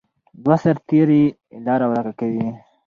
دوه سرتیري لاره ورکه کوي.